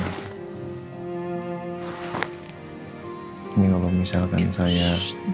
ini kalau misalkan saya